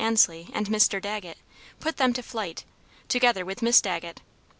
Ansley and Mr. Dagget, put them to flight, together with Miss Dagget.